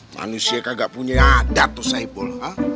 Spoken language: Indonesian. manusia kagak punya adat tuh saipul